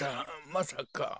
まさか。